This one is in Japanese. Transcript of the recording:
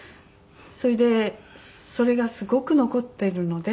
それでそれがすごく残っているので。